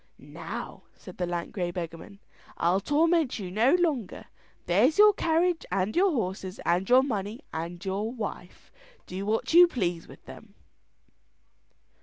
"Now," said the lank grey beggarman, "I'll torment you no longer. There's your carriage and your horses, and your money and your wife; do what you please with them."